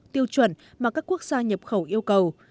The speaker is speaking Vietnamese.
tiêu chuẩn mà các quốc gia nhập khẩu yêu cầu